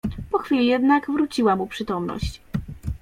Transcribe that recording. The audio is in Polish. Po chwili jednak wróciła mu przytomność.